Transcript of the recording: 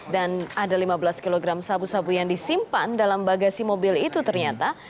ada lima belas kg sabu sabu yang disimpan dalam bagasi mobil itu ternyata